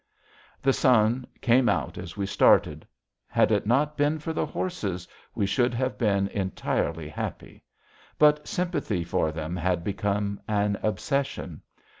The sun came out as we started. Had it not been for the horses, we should have been entirely happy. But sympathy for them had become an obsession.